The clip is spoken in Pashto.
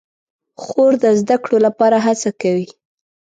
خور د زده کړو لپاره هڅه کوي.